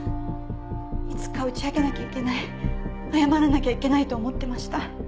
いつか打ち明けなきゃいけない謝らなきゃいけないと思ってました。